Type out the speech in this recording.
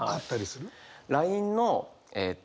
ＬＩＮＥのえっと